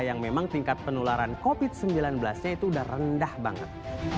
yang memang tingkat penularan covid sembilan belas nya itu udah rendah banget